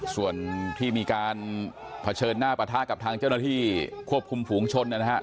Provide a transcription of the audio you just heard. ส่วนที่มีการเผชิญหน้าปะทะกับทางเจ้าหน้าที่ควบคุมฝูงชนนะฮะ